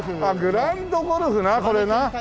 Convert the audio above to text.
グラウンド・ゴルフなこれな。